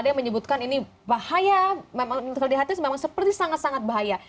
ada yang menyebutkan ini bahaya memang kalau dilihatnya memang seperti sangat sangat bahaya